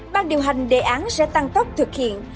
ban điều hành đề án sẽ tăng tốc thực hiện